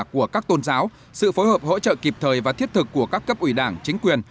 của các tôn giáo sự phối hợp hỗ trợ kịp thời và thiết thực của các cấp ủy đảng chính quyền